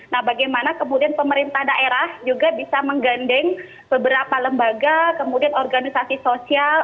nah bagaimana kemudian pemerintah daerah juga bisa menggandeng beberapa lembaga kemudian organisasi sosial